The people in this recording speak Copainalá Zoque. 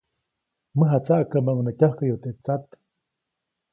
Mäjatsaʼkäʼmäʼuŋ nä tyäjkäyu teʼ tsat.